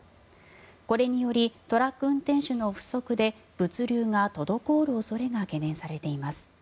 これによりトラック運転手の不足で物流が滞る恐れが懸念されています。